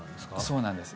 そうなんです。